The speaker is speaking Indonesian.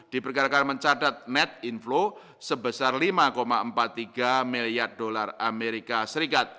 diperkirakan mencatat net inflow sebesar lima empat puluh tiga miliar dolar amerika serikat